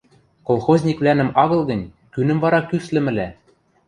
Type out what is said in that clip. Колхозниквлӓнӹм агыл гӹнь, кӱнӹм вара кӱслӹмӹлӓ?